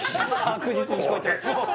確実に聞こえてます